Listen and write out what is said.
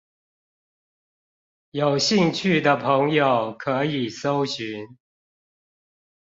有興趣的朋友可以蒐尋